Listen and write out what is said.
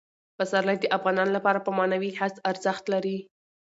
پسرلی د افغانانو لپاره په معنوي لحاظ ارزښت لري.